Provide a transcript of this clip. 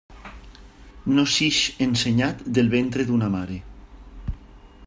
No s'ix ensenyat del ventre d'una mare.